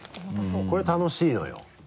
これ楽しいのよ。